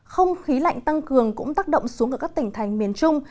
không khí lạnh tăng cường cũng tác động xuống ở các tỉnh thành miền trung